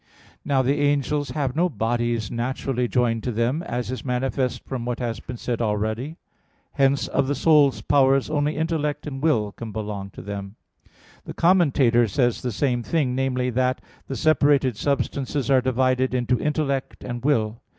Now the angels have no bodies naturally joined to them, as is manifest from what has been said already (Q. 51, A. 1). Hence of the soul's powers only intellect and will can belong to them. The Commentator (Metaph. xii) says the same thing, namely, that the separated substances are divided into intellect and will.